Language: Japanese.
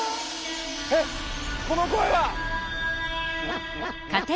えっこの声は。